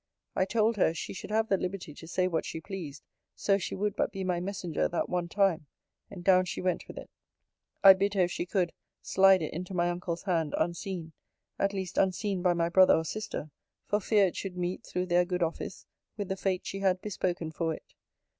I told her, she should have the liberty to say what she pleased, so she would but be my messenger that one time: and down she went with it. I bid her, if she could, slide it into my uncle's hand, unseen; at least unseen by my brother or sister, for fear it should meet, through their good office, with the fate she had bespoken for it.